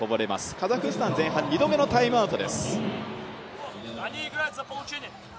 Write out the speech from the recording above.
カザフスタン前半２度目のタイムアウト。